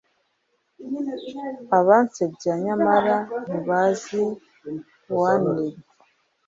abansebya nyamara ntibazi uwandemye